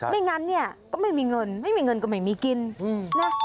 งั้นเนี่ยก็ไม่มีเงินไม่มีเงินก็ไม่มีกินนะ